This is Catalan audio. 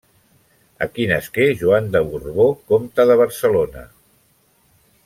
Aquí nasqué Joan de Borbó, comte de Barcelona.